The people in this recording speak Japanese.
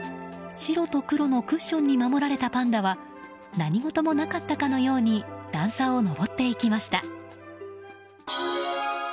白と黒のクッションに守られたパンダは何事もなかったかのように段差を登っていきました。